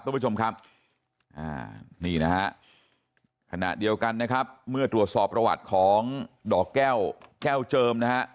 คุณผู้ชมครับนี่นะฮะขณะเดียวกันนะครับเมื่อตรวจสอบประวัติของดอกแก้วแก้วเจิมนะฮะ